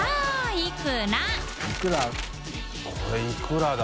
い蕁これいくらだ？